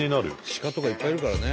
鹿とかいっぱいいるからね。